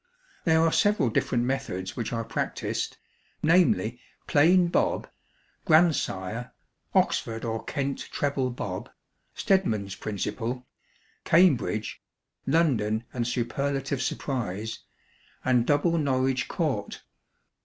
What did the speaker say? There are several different methods which are practised namely, Plain Bob, Grandsire, Oxford or Kent Treble Bob, Stedman's Principle, Cambridge, London and Superlative Surprise, and Double Norwich Court.